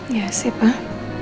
iya sih pak